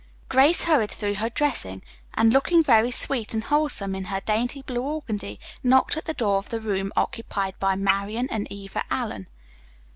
Grace hurried through her dressing, and looking very sweet and wholesome in her dainty blue organdie, knocked at the door of the room occupied by Marian and Eva Allen.